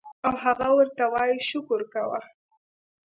او هغه ورته وائي شکر کوه